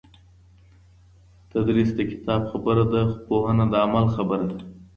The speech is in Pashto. تدریس د کتاب خبره ده خو پوهنه د عمل خبره ده.